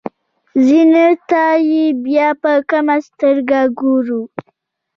ځینو ته یې بیا په کمه سترګه ګورو.